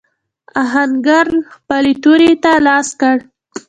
آهنګر خپلې تورې ته لاس کړ.